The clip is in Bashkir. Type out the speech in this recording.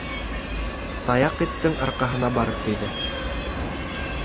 Таяҡ эттең арҡаһына барып тейҙе.